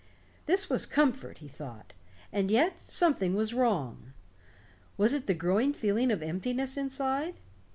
This was comfort, he thought. And yet, something was wrong. Was it the growing feeling of emptiness inside?